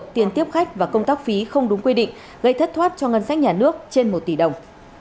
tiền tiếp khách và công tác phí không đúng quy định gây thất thoát cho ngân sách nhà nước trên một tỷ đồng